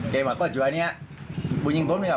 เจ๊มาต้นก็อยู่อันนี้ผู้ยิงพร้อมเลยครับ